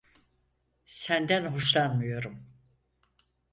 Senden hoşlanmıyorum.